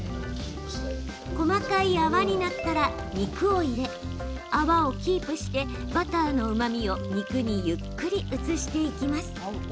細かい泡になったら肉を入れ泡をキープしてバターのうまみを肉にゆっくり移していきます。